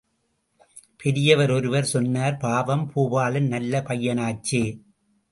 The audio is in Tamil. பெரியவர் ஒருவர் சொன்னார் பாவம், பூபாலன் நல்ல பையனாச்சே!